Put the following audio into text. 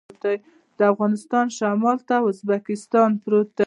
د افغانستان شمال ته ازبکستان پروت دی